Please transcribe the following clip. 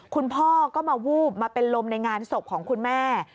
คุณพ่อก็มาวูบมาเป็นลมในงานศพของคุณแม่